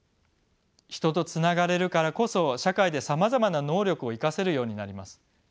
人とつながれるからこそ社会でさまざまな能力を生かせるようになります。